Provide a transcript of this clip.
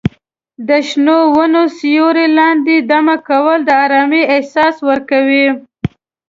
د شنو ونو سیوري لاندې دمه کول د ارامۍ احساس ورکوي.